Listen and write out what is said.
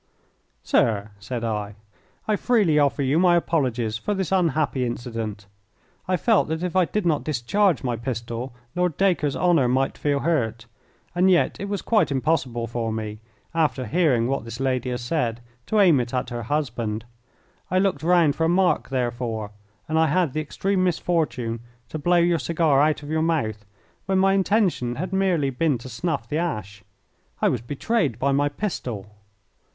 "Sir," said I, "I freely offer you my apologies for this unhappy incident. I felt that if I did not discharge my pistol Lord Dacre's honour might feel hurt, and yet it was quite impossible for me, after hearing what this lady has said, to aim it at her husband. I looked round for a mark, therefore, and I had the extreme misfortune to blow your cigar out of your mouth when my intention had merely been to snuff the ash. I was betrayed by my pistol.